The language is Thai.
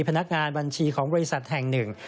พนักงานบัญชีของบริษัทแห่งหนึ่ง